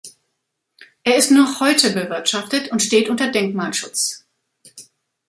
Er ist noch heute bewirtschaftet und steht unter Denkmalschutz.